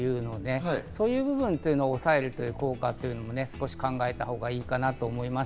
そういう部分を抑える効果を考えたほうがいいかなと思います。